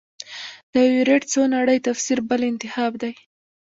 د ایورېټ څو نړۍ تفسیر بل انتخاب دی.